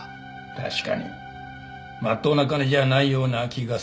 確かにまっとうな金じゃないような気がするな。